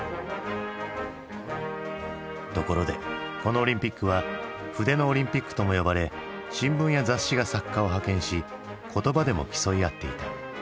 ところでこのオリンピックは「筆のオリンピック」とも呼ばれ新聞や雑誌が作家を派遣し言葉でも競い合っていた。